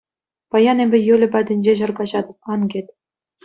Паян эпӗ Юля патӗнче ҫӗр каҫатӑп, ан кӗт.